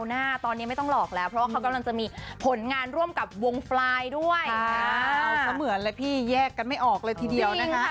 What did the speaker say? เว้ยดีใจเท่าเกินมีหลอกได้